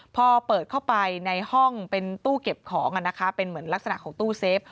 พอเปิดเข้าไปในห้องเป็นตู้เก็บของเป็นเหมือนลักษณะของตู้เซฟ